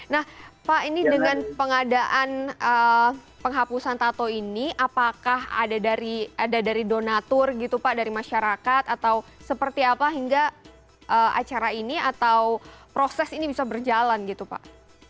nah pak ini dengan pengadaan penghapusan tato ini apakah ada dari donatur gitu pak dari masyarakat atau seperti apa hingga acara ini atau proses ini bisa berjalan gitu pak